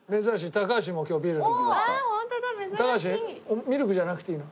高橋ミルクじゃなくていいの？